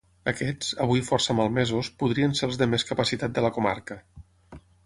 Aquests, avui força malmesos, podrien ser els de més capacitat de la comarca.